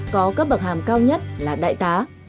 có cấp bậc hàm cao nhất là đại tá